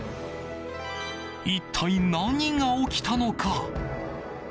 一体、何が起きたのか。